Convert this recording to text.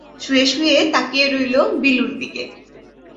শুয়ে-শুয়ে তাকিয়ে রইল বিলুর দিকে।